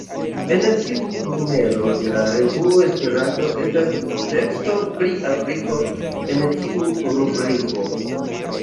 En ĉiu numero de la revuo Esperanto estas teksto pri Afriko en tiu rubriko.